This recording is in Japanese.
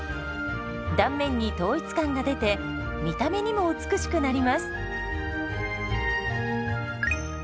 断面に統一感が出て見た目にも美しくなります。